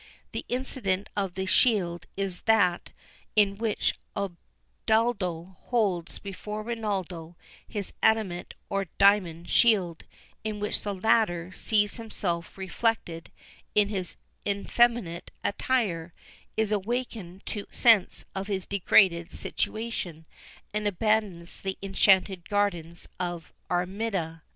The incident of the shield is that in which Ubaldo holds before Rinaldo his adamant or diamond shield, in which the latter sees himself reflected in his effeminate attire, is awakened to a sense of his degraded situation, and abandons the enchanted gardens of Armida.